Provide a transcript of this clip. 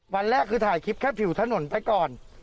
วันแรกคือถ่ายคลิปแค่ผิวถนนไปก่อน